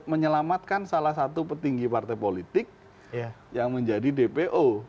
menyelamatkan salah satu petinggi partai politik yang menjadi dpo